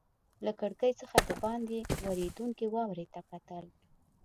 له کړکۍ څخه دباندې ورېدونکې واورې ته کتل.